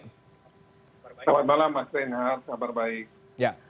selamat malam pak senar kabar baik